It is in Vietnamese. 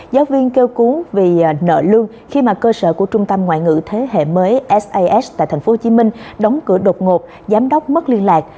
giáo viên kêu cứu vì nợ lương khi mà cơ sở của trung tâm ngoại ngữ thế hệ mới sas tại tp hcm đóng cửa đột ngột giám đốc mất liên lạc